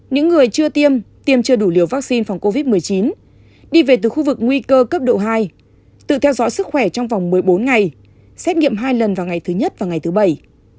những người chưa tiêm tiêm chưa đủ liều vaccine phòng covid một mươi chín đi về từ khu vực nguy cơ cấp độ hai tự theo dõi sức khỏe trong vòng một mươi bốn ngày xét nghiệm hai lần vào ngày thứ nhất và ngày thứ bảy